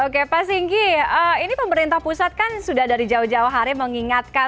oke pak singki ini pemerintah pusat kan sudah dari jauh jauh hari mengingatkan